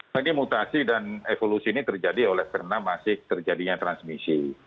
jadi mutasi dan evolusi ini terjadi oleh karena masih terjadinya transmisi